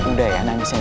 udah ya nangisnya